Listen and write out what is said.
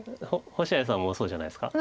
星合さんもそうじゃないですか？